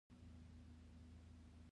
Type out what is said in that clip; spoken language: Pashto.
په بېړه راغی، ويې ويل: خان صيب! څه دې ويل؟